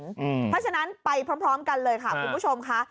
เพราะฉะนั้นไปพร้อมกันเลยค่ะคุณผู้ชมค่ะ